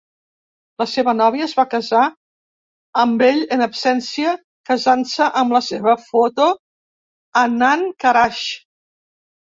La seva novia es va casar amb ell en absència casant-se amb la seva foto a Anand Karaj.